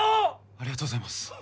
ありがとうございます